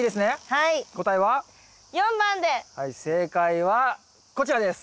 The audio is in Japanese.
はい正解はこちらです！